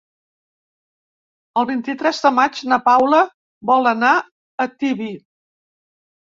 El vint-i-tres de maig na Paula vol anar a Tibi.